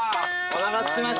おなかすきましたね。